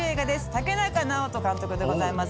竹中直人監督でございます